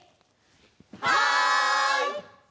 はい！